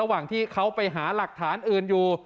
ระหว่างที่เขาไปหาหลักฐานอื่นอยู่